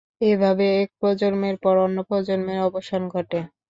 এ ভাবে এক প্রজন্মের পর অন্য প্রজন্মের অবসান ঘটে।